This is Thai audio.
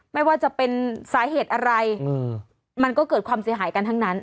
ไม่ว่าจะเป็นสาเหตุอะไรมันก็เกิดความเสียหายกันทั้งนั้น